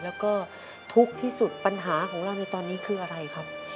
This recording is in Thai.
แล้วก็ทุกข์ที่สุดปัญหาของเราในตอนนี้คืออะไรครับ